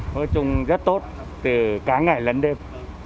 nói chung rất tốt từ cả ngày đến đêm